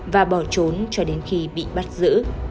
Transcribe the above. và bỏ trốn cho đến khi bị bắt giữ